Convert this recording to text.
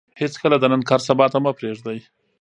هېڅکله د نن کار سبا ته مه پرېږدئ.